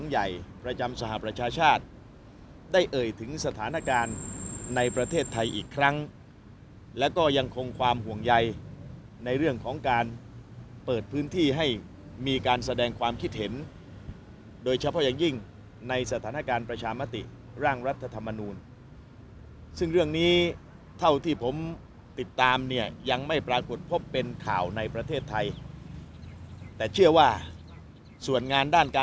ใหญ่ประจำสหประชาชาติได้เอ่ยถึงสถานการณ์ในประเทศไทยอีกครั้งและก็ยังคงความห่วงใยในเรื่องของการเปิดพื้นที่ให้มีการแสดงความคิดเห็นโดยเฉพาะอย่างยิ่งในสถานการณ์ประชามติร่างรัฐธรรมนูลซึ่งเรื่องนี้เท่าที่ผมติดตามเนี่ยยังไม่ปรากฏพบเป็นข่าวในประเทศไทยแต่เชื่อว่าส่วนงานด้านการ